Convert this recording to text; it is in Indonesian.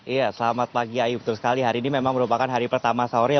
iya selamat pagi ayu betul sekali hari ini memang merupakan hari pertama sahur ya